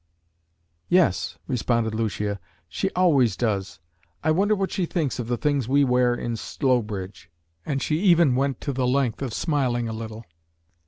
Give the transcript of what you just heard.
"Yes," responded Lucia: "she always does. I wonder what she thinks of the things we wear in Slowbridge." And she even went to the length of smiling a little.